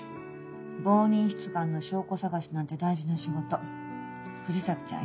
冒認出願の証拠探しなんて大事な仕事藤崎ちゃん